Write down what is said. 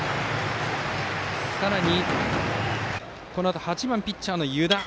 さらに８番ピッチャーの湯田。